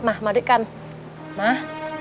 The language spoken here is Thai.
มามาด้วยกันมา